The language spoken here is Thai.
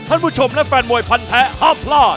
ท่านผู้ชมและแฟนมวยพันแท้ห้ามพลาด